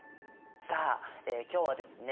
さあ今日はですね